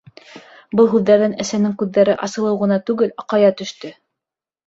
Был һүҙҙәрҙән әсәнең күҙҙәре асылыу ғына түгел, аҡая төштө.